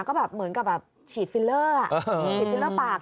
ก็แบบเหมือนกับแบบฉีดฟิลเลอร์ฉีดฟิลเลอร์ปาก